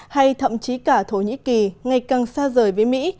hay thậm chí cả thổ nhĩ kỳ ngày càng xa rời với mỹ